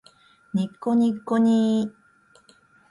にっこにっこにー